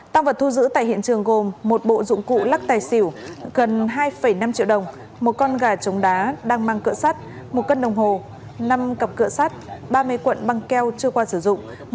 tăng vật thu giữ tại hiện trường gồm một bộ dụng cụ lắc tài xỉu gần hai năm triệu đồng một con gà trống đá đang mang cỡ sắt một cân đồng hồ năm cặp cửa sắt ba mươi cuộn băng keo chưa qua sử dụng